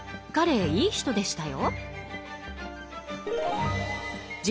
彼もいい人でしたよ。